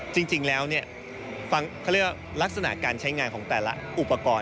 จริงแล้วรักษณะการใช้งานของแต่ละอุปกรณ์